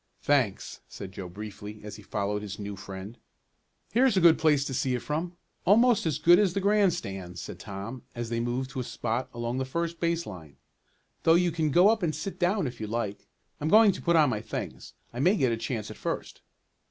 "Thanks," said Joe briefly, as he followed his new friend. "Here's a good place to see it from almost as good as the grandstand," said Tom, as they moved to a spot along the first base line. "Though you can go up and sit down if you like. I'm going to put on my things. I may get a chance at first."